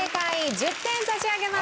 １０点差し上げます。